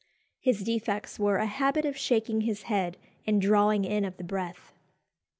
His defects were a habit of shaking his head and drawing in of the breath.